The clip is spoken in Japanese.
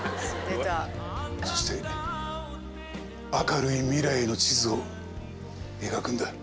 そして明るい未来への地図を描くんだ。